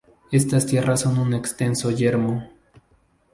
Estas tierras son un extenso yermo.